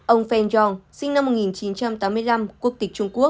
ông feng yong sinh năm một nghìn chín trăm tám mươi năm quốc tịch trung quốc